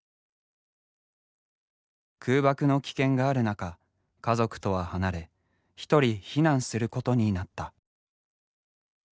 空爆の危険がある中家族とは離れ一人避難することになった。